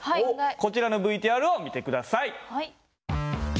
こちらのＶＴＲを見て下さい。